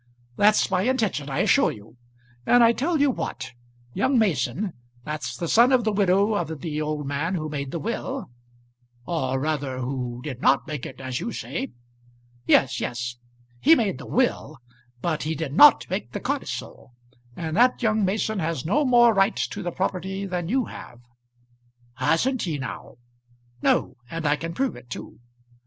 "That's my intention, I assure you. And I tell you what; young Mason, that's the son of the widow of the old man who made the will " "Or rather who did not make it, as you say." "Yes, yes; he made the will; but he did not make the codicil and that young Mason has no more right to the property than you have." "Hasn't he now?" "No; and I can prove it too."